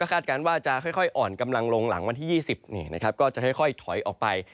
ก็คาดการณ์ว่าจะค่อยค่อยอ่อนกำลังลงหลังวันที่ยี่สิบนี่นะครับก็จะค่อยค่อยถอยออกไป